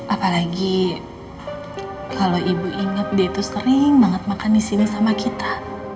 apalagi kalau ibu inget dia tuh sering banget makan disini sama kita